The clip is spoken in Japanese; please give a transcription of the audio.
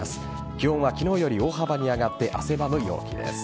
気温は昨日より大幅に上がって汗ばむ陽気です。